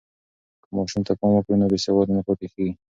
که ماشوم ته پام وکړو، نو بې سواده نه پاتې کېږي.